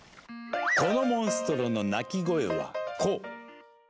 このモンストロの鳴き声はこう。